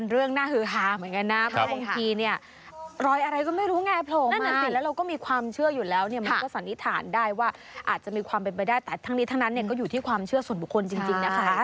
เราก็มีความเชื่ออยู่แล้วเนี้ยมันก็สันนิษฐานได้ว่าอาจจะมีความเป็นไปได้แต่ทั้งนี้ทั้งนั้นเนี้ยก็อยู่ที่ความเชื่อส่วนบุคคลจริงจริงนะคะ